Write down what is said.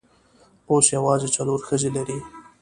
اوس یوازې څلور ښځې لري.